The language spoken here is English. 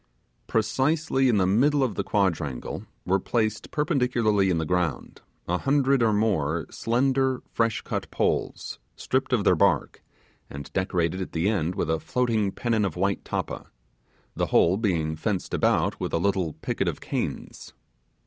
Precisely in the middle of the quadrangle were placed perpendicularly in the ground, a hundred or more slender, fresh cut poles, stripped of their bark, and decorated at the end with a floating pennon of white tappa; the whole being fenced about with a little picket of canes.